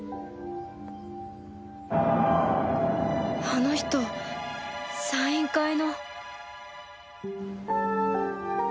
あの人サイン会の